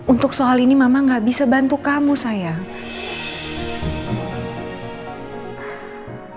untuk soal ini mama gak bisa bantu kamu sayang